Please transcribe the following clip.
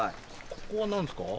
ここは何ですか？